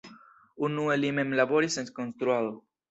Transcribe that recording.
Unue li mem laboris en konstruado.